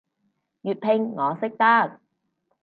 粵拼我識得